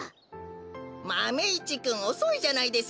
マメ１くんおそいじゃないですか！